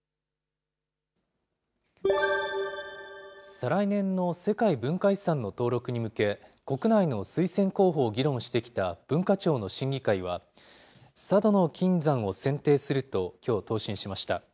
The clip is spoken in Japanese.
再来年の世界文化遺産の登録に向け、国内の推薦候補を議論してきた文化庁の審議会は、佐渡の金山を選定するときょう答申しました。